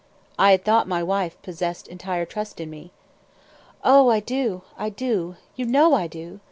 "I had thought my wife possessed entire trust in me." "Oh, I do, I do; you know I do.